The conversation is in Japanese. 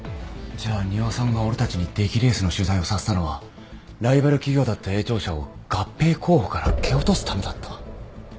じゃあ仁和さんが俺たちに出来レースの取材をさせたのはライバル企業だった永鳥社を合併候補から蹴落とすためだった？